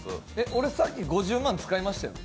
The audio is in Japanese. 俺さっき５０万使いましたよね。